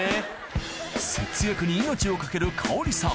節約に命を懸ける香織さん